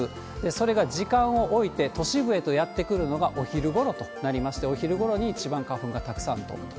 それが時間を置いて都市部へとやって来るのがお昼ごろとなりまして、お昼ごろに一番花粉がたくさん飛ぶと。